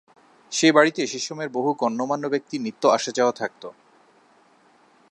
সে বাড়িতে সে সময়ের বহু গণ্যমান্য ব্যক্তির নিত্য আসা যাওয়া থাকত।